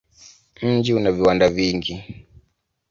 Mji una viwanda vingi.